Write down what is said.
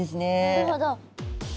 なるほど。